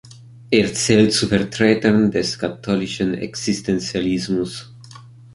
Er zählt zu Vertretern des katholischen Existentialismus.